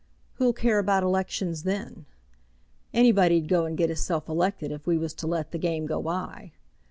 Who'll care about elections then? Anybody'd go and get hisself elected if we was to let the game go by!"